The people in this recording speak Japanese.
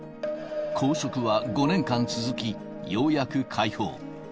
拘束は５年間続き、ようやく解放。